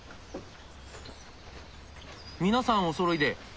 皆さんおそろいで。